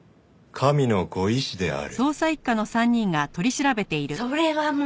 神のご意志である。